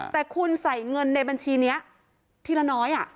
แต่คุณใส่เงินในบัญชีนี้ทีละน้อย